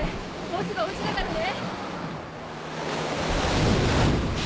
もうすぐお家だからね。